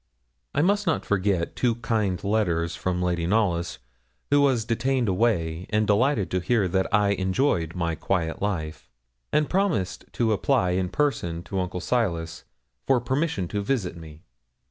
I must not forget two kind letters from Lady Knollys, who was detained away, and delighted to hear that I enjoyed my quiet life; and promised to apply, in person, to Uncle Silas, for permission to visit me.